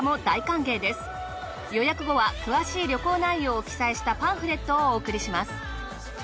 予約後は詳しい旅行内容を記載したパンフレットをお送りします。